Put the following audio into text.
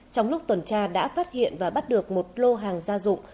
trong lúc tuần tra đã phát hiện và bắt được một lô hàng gia dụng